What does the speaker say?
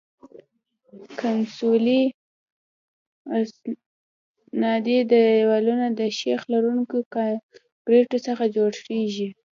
کنسولي استنادي دیوالونه د سیخ لرونکي کانکریټو څخه جوړیږي